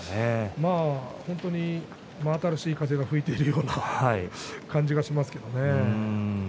本当に真新しい風が吹いているような感じがしますけれどもね。